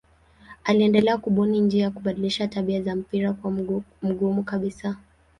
Aliendelea kubuni njia ya kubadilisha tabia za mpira kuwa mgumu kabisa.